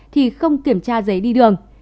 thì không kiểm tra giấy đi đường